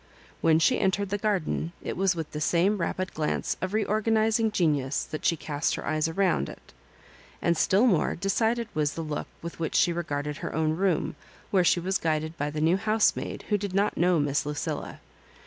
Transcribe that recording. When she entered the garden it was with the same rapid glance of reorganising genius that she cast her eyes around it ; and stUl more decided was the look with which she regarded her own room, where she was guided by the new housemaid, who did not know Miss Lucilla.